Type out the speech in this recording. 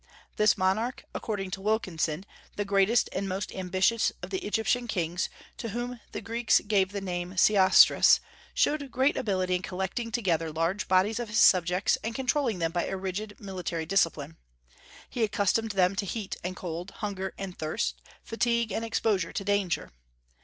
This monarch, according to Wilkinson, the greatest and most ambitious of the Egyptian kings, to whom the Greeks gave the name of Sesostris, showed great ability in collecting together large bodies of his subjects, and controlling them by a rigid military discipline. He accustomed them to heat and cold, hunger and thirst, fatigue, and exposure to danger.